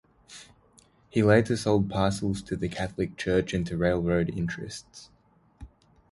He later sold parcels to the Catholic church and to railroad interests.